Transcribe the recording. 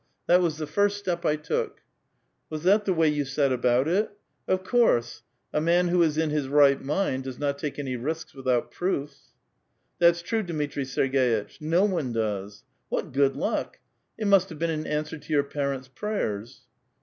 That was the first step I took." *' Was that the way you set about it?" *'0f course ; a man who is in his right mind does not take any risks without proofs." *' That's true, Dmitri Serg^itch ; no one does. What good luck ! It must have been in answer to your parents' prayers."